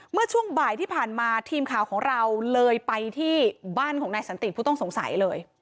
เมื่อช่วงบ่ายที่ผ่านมาทีมข่าวของเราเลยไปที่บ้านของนายสันติผู้ต้องสงสัยเลย